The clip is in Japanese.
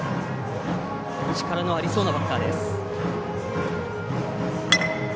力のありそうなバッターです。